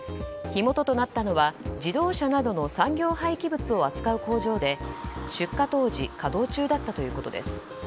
火元となったのは自動車などの産業廃棄物を扱う工場で出火当時稼働中だったということです。